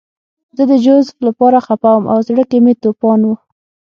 زه د جوزف لپاره خپه وم او زړه کې مې توپان و